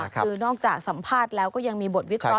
คือนอกจากสัมภาษณ์แล้วก็ยังมีบทวิเคราะ